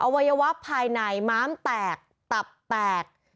วัยวะภายในม้ามแตกตับแตก